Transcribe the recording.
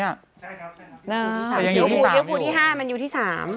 ยังอยู่ที่๕มันอยู่ที่๓